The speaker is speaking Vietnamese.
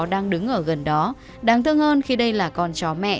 đang đứng ở gần đó đáng thương hơn khi đây là con chó mẹ